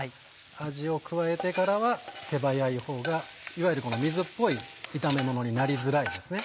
味を加えてからは手早いほうがいわゆる水っぽい炒めものになりづらいですね。